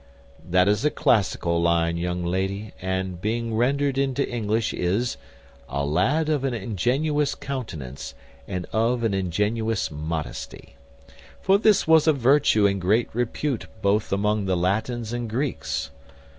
_ That is a classical line, young lady; and, being rendered into English, is, `a lad of an ingenuous countenance, and of an ingenuous modesty;' for this was a virtue in great repute both among the Latins and Greeks.